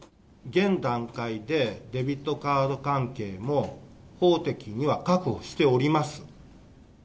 現段階で、デビットカード関係も、法的には確保しております。